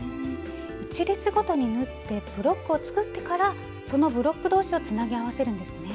１列ごとに縫ってブロックを作ってからそのブロック同士をつなぎ合わせるんですね。